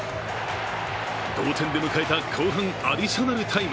同点で迎えた後半アディショナルタイム。